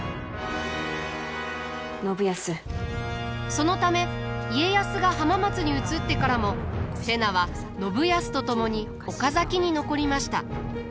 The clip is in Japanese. そのため家康が浜松に移ってからも瀬名は信康と共に岡崎に残りました。